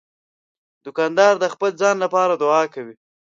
دوکاندار د خپل ځان لپاره دعا کوي.